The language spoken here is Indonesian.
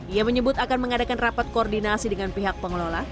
ia menyebut akan mengadakan rapat koordinasi dengan pihak pengelola